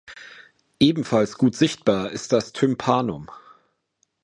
Ebenfalls gut sichtbar ist das Tympanum.